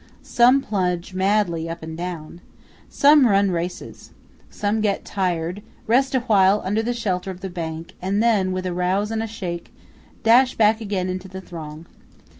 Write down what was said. Some plunge madly up and down. Some run races. Some get tired, rest awhile under shelter of the bank, and then, with a rouse and a shake, dash back again into the throng.